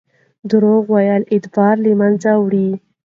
درواغ ویل اعتبار له منځه وړي.